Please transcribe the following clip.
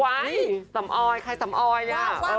สำออยใครสำออยอ่ะ